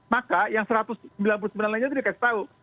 maka yang satu ratus sembilan puluh sembilan lainnya itu dikasih tahu